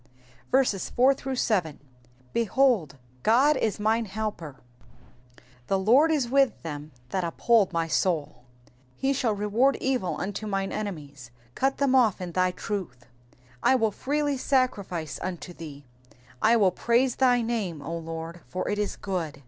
4 Behold, God is mine helper : the Lord is with them that uphold my soul. 5 He shall reward evil unto mine enemies : cut them off in thy truth. 6 I will freely sacrifice unto thee : I will praise thy name, O Lord ; for it is good.